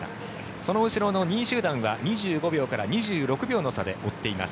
その後ろの２位集団は２５秒から２６秒の差で追っています。